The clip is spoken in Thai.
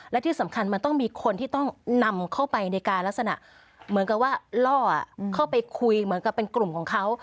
และที่สำคัญมันต้องมีคนที่ต้องนำเข้าไปในการลักษณะเหมือนกับว่าล่อเข้าไปคุยเหมือนกับเป็นกลุ่มของเขา